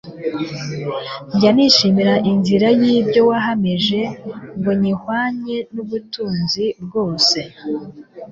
Njya nishimira inzira y'ibyo wahamije, Ngo nyihwanye n'ubutunzi bwose.